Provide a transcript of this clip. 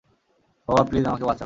বাবা, প্লিজ আমাকে বাঁচাও!